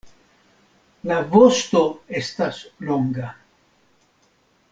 La vosto estas longa.